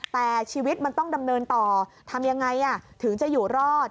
แต่ชีวิตมันต้องดำเนินต่อทำยังไงถึงจะอยู่รอด